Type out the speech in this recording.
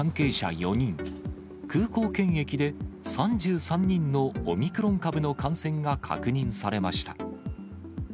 ４人、空港検疫で３３人のオミクロン株の感染が確認されました。